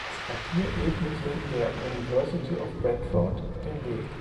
Das Papier ebnete der University of Bradford den Weg.